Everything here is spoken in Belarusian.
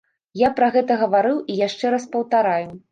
Я пра гэта гаварыў і яшчэ раз паўтараю.